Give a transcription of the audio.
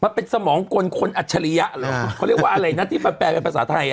มันเป็นสมองกลคนอัจฉริยะเหรอเขาเรียกว่าอะไรนะที่มันแปลเป็นภาษาไทยอ่ะ